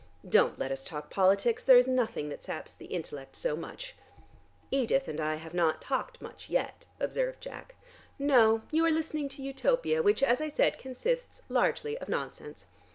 Don't let us talk politics: there is nothing that saps the intellect so much." "Edith and I have not talked much yet," observed Jack. "No, you are listening to Utopia, which as I said, consists largely of nonsense.